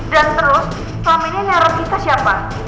dan terus selama ini nerak kita siapa